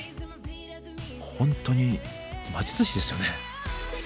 ほんとに魔術師ですよね。